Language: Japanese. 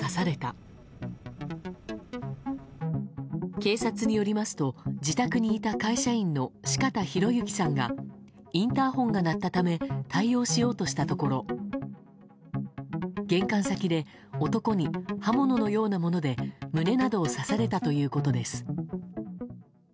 警察によりますと自宅にいた会社員の四方洋行さんがインターホンが鳴ったため対応しようとしたところ玄関先で男に刃物のようなもので胸などを刺されたということです。